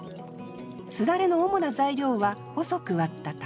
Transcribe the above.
簾の主な材料は細く割った竹。